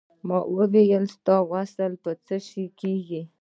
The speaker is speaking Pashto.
ما وویل ستا وصل په څه شی کېږي.